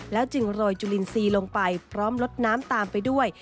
จึงโรยจุลินทรีย์ลงไปพร้อมลดน้ำตามไปด้วย